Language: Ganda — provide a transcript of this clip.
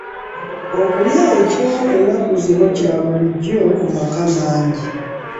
Okulya ekimu ennaku zino kya bulijjo mu maka mangi.